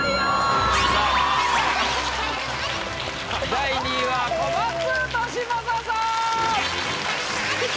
第２位は小松利昌さん。